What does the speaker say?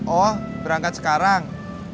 oh berangkat sekarang